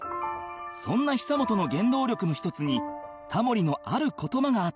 そんな久本の原動力の一つにタモリのある言葉があった